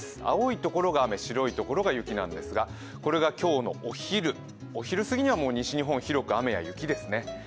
青いところが雨白いところが雪なんですがこれが今日のお昼、お昼すぎにはもう西日本広く雨や雪ですね。